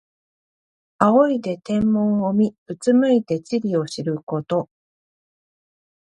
仰いで天文を見、うつむいて地理を知ること。